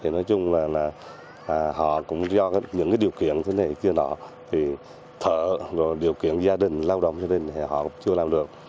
nói chung là họ cũng do những điều kiện thế này kia đó thở điều kiện gia đình lao động cho nên họ chưa làm được